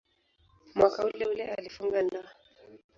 Mwaka uleule alifunga ndoa.